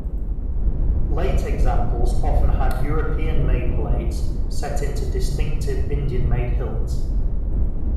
Late examples often had European-made blades, set into distinctive Indian-made hilts.